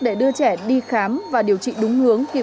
để đưa trẻ đi khám và điều trị đúng hướng